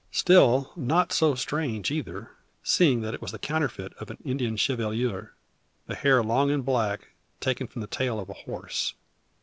Still, not so strange either, seeing it was the counterfeit of an Indian chevelure the hair long and black, taken from the tail of a horse.